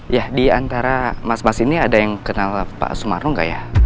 ya diantara mas mas ini ada yang kenal pak sumarno gak ya